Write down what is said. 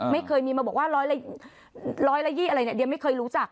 ไม่เคยมีมาบอกว่าร้อยละ๒๐อะไรเนี่ยเดียไม่เคยรู้จัก